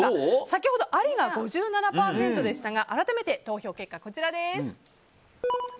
先ほどありが５７％でしたが改めて投票結果はこちらです。